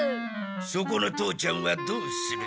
そこの父ちゃんはどうする？